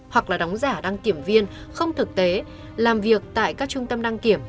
hoặc là đóng giả đăng kiểm viên không thực tế làm việc tại các trung tâm đăng kiểm